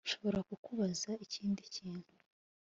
Nshobora kukubaza ikindi kintu